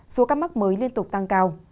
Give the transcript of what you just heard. số các mắc mới liên tục tăng cao